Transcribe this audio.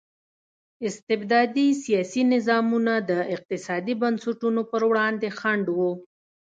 استبدادي سیاسي نظامونه د اقتصادي بنسټونو پر وړاندې خنډ وو.